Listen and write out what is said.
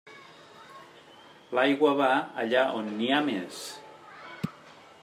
L'aigua va allà on n'hi ha més.